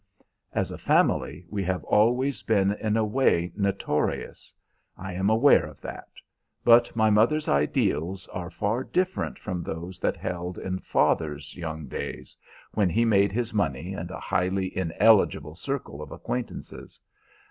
"As a family we have always been in a way notorious; I am aware of that: but my mother's ideals are far different from those that held in father's young days, when he made his money and a highly ineligible circle of acquaintances.